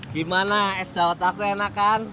gimana es dawet aku enak kan